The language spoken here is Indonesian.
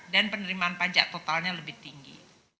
dan penerimaan pajak totalnya lebih tinggi